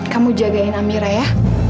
kamu jagain amira ya